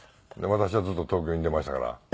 私はずっと東京にいてましたから。